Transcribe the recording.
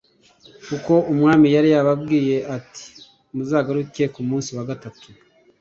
kuko umwami yari yababwiye ati muzagaruke ku munsi wa gatatu